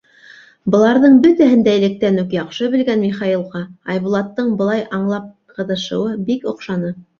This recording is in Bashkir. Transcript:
Быларҙың бөтәһен дә электән үк яҡшы белгән Михаилға Айбулаттың былай аңлап ҡыҙышыуы бик оҡшаны.